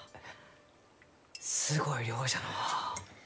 すごい量じゃのう。